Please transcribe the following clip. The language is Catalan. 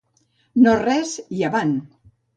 No res i avant!